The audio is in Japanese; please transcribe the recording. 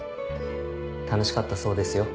楽しかったそうですよ。